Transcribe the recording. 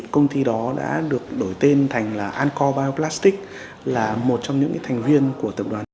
công ty đó đã được đổi tên thành là ancobio plastic là một trong những thành viên của tập đoàn